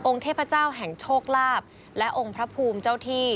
เทพเจ้าแห่งโชคลาภและองค์พระภูมิเจ้าที่